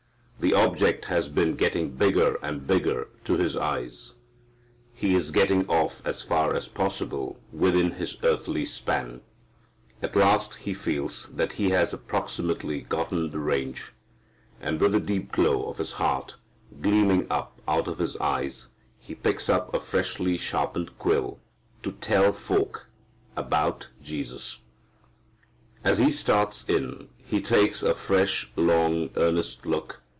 The object has been getting bigger and bigger to his eyes. He is getting off as far as possible within his earthly span. At last he feels that he has approximately gotten the range. And with the deep glow of his heart gleaming up out of his eyes, he picks up a freshly sharpened quill to tell folk about Jesus. As he starts in he takes a fresh, long, earnest look.